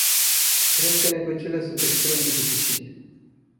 Cred că negocierile sunt extrem de dificile.